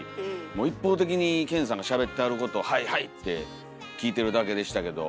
一方的に健さんがしゃべってはることを「はいはい」って聞いてるだけでしたけど。